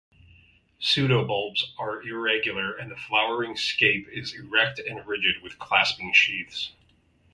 Pseudobulbs are irregular and the flowering scape is erect and ridged with clasping sheaths.